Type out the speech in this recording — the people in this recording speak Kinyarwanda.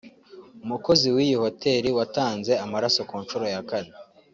umukozi w’iyi Hoteri watanze amaraso ku nshuro ya kane